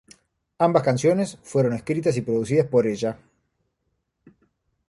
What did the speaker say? Ambas canciones fueron escritas y producidas por ella.